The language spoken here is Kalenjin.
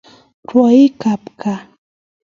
Rwoik ab kaa